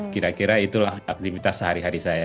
kira kira itulah aktivitas sehari hari saya